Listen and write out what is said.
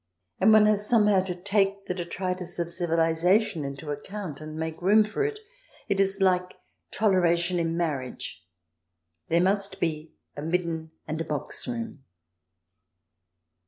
And one has somehow to take the detritus of civilization into account, and make room for it. It is like toleration in marriage : there must be a midden and a box room.